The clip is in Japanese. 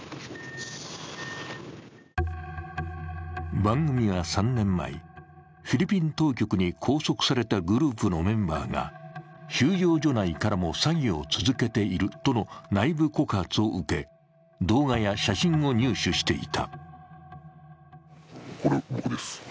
番組は３年前、フィリピン当局に拘束されたグループのメンバーが収容所内からも詐欺を続けているとの内部告発を受け動画や写真を入手していた。